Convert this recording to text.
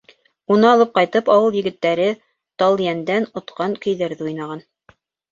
Уны алып ҡайтып ауыл егеттәре Талйәндән отҡан көйҙәрҙе уйнаған.